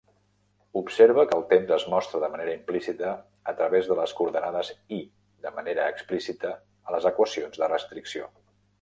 Observa que el temps es mostra de manera implícita a través de les coordenades "i" de manera explícita a les equacions de restricció.